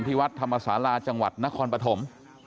ที่วัดธรรมศาลาจังหวัดนครปฐม